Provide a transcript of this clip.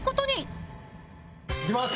いきます！